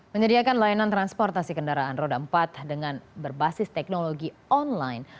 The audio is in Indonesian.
menyediakan layanan transportasi kendaraan roda empat dengan berbasis teknologi online